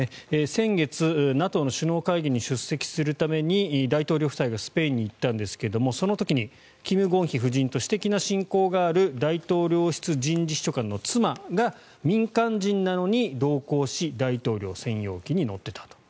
先月、ＮＡＴＯの首脳会議に出席するために大統領夫妻がスペインに行ったんですがその時にキム・ゴンヒ夫人と私的な親交がある大統領室人事秘書官の妻が民間人なのに同行し大統領専用機に乗っていたと。